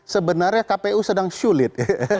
sebenarnya kpu sedang sulit